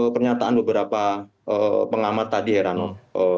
pernyataan beberapa pengamat tadi heranov